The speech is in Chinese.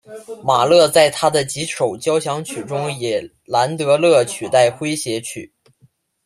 马勒在他的几首交响曲中以兰德勒取代诙谐曲。